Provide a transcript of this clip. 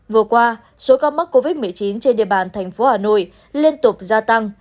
vừa qua số ca mắc covid một mươi chín trên địa bàn thành phố hà nội liên tục gia tăng